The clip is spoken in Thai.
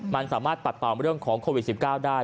มันสามารถปัดเป่าเรื่องของโควิด๑๙ได้